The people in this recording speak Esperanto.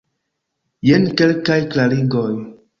Jen kelkaj klarigoj.